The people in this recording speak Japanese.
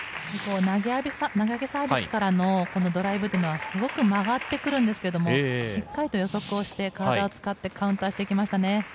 投げ上げサービスからのドライブはすごく曲がってくるんですけど、しっかりと予測をして体を使ってカウンターにしてきましたね。